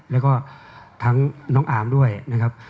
แล้วก็ทั้งน้องอาร์มด้วยนะครับ